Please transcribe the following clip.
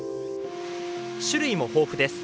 種類も豊富です。